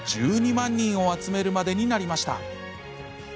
１２万人を集めるまでになりました。